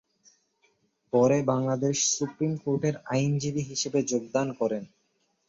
পরে বাংলাদেশ সুপ্রিম কোর্টের আইনজীবী হিসেবে যোগদান করেন।